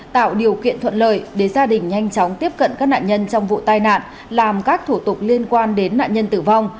tạo điều kiện thuận lợi để gia đình nhanh chóng tiếp cận các nạn nhân trong vụ tai nạn làm các thủ tục liên quan đến nạn nhân tử vong